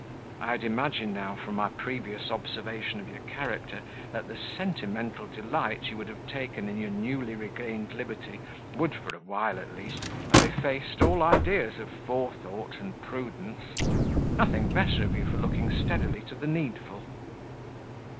I had imagined now, from my previous observation of your character, that the sentimental delight you would have taken in your newly regained liberty would, for a while at least, have effaced all ideas of forethought and prudence. I think better of you for looking steadily to the needful."